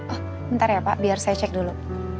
oh bentar ya pak biar saya cek dulu